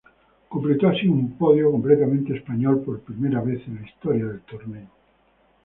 Completó así un podio completamente español por primera vez en la historia del torneo.